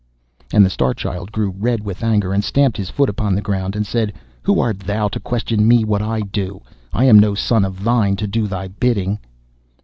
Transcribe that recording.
And the Star Child grew red with anger, and stamped his foot upon the ground, and said, 'Who art thou to question me what I do? I am no son of thine to do thy bidding.